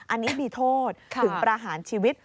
อันนี้มีโทษถึงประหารชีวิต